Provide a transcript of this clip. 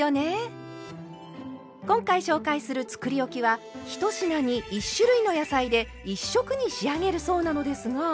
今回紹介するつくりおきは１品に１種類の野菜で１色に仕上げるそうなのですが。